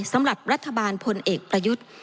สำหรับรัฐบาลพลเอกประยุทธ์